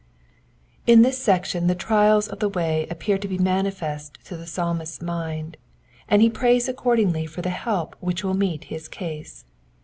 In this section the trials of the way appear to be manifest to the Psalmist's mind, and he prays accordingly for the help which will meet his case.